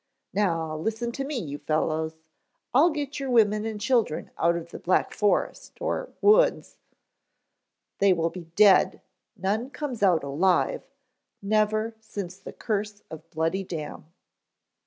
"Now, listen to me, you fellows, I'll get your women and children out of the Black Forest, or Woods " "They will be dead none comes out alive never since the curse of Bloody Dam."